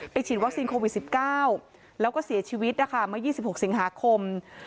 ฉีดวัคซีนโควิด๑๙แล้วก็เสียชีวิตนะคะเมื่อ๒๖สิงหาคม